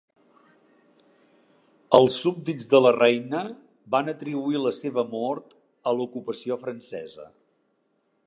Els súbdits de la reina van atribuir la seva mort a l'ocupació francesa.